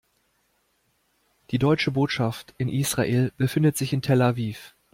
Die Deutsche Botschaft in Israel befindet sich in Tel Aviv.